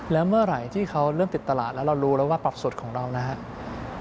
แล้วเมื่อไหร่ที่เขาเริ่มติดตลาดแล้วเรารู้แล้วว่าปรับสุดของเรานะครับ